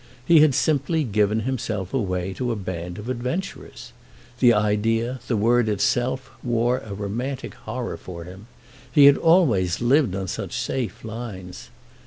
He had simply given himself away to a band of adventurers. The idea, the word itself, wore a romantic horror for him—he had always lived on such safe lines.